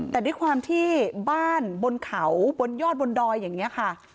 แต่ด้วยความที่บ้านบนเขาบนยอดบนดอยอย่างนี้ค่ะ